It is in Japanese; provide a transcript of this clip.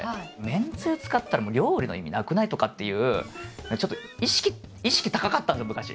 「めんつゆ使ったらもう料理の意味なくない？」とかって言うちょっと意識高かったんですよ昔。